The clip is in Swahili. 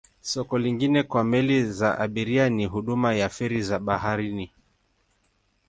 Soko lingine kwa meli za abiria ni huduma ya feri za baharini.